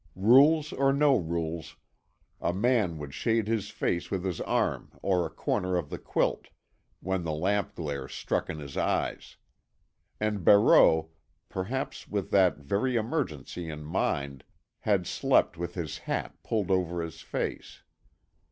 Rules or no rules, a man would shade his face with his arm or a corner of the quilt, when the lamp glare struck in his eyes. And Barreau, perhaps with that very emergency in mind, had slept with his hat pulled over his face.